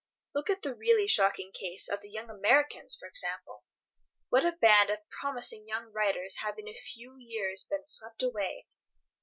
Look at the really shocking case of the young Americans, for example. What a band of promising young writers have in a few years been swept away!